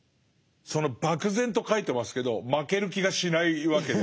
その漠然と書いてますけど負ける気がしないわけですよね。